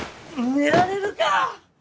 寝られるか！